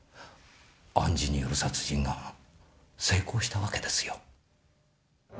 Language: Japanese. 暗示による殺人が成功したわけですよ。